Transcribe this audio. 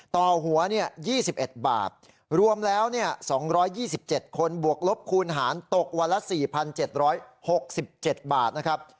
ต่อหัวเนี่ยยี่สิบเอ็ดบาทรวมแล้วเนี่ยสองร้อยยี่สิบเจ็ดคนบวกลบคูณหารตกวันละสี่พันเจ็ดร้อยหกสิบเจ็ดบาทนะครับ